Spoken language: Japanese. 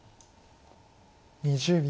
２０秒。